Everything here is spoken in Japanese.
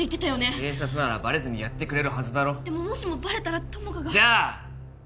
警察ならバレずにやってくれるはずだろでももしもバレたら友果がじゃあ！